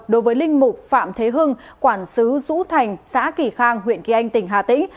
đối với linh mục phạm thế hưng quản sứ dũ thành xã kỳ khang huyện kỳ anh tỉnh hà tĩnh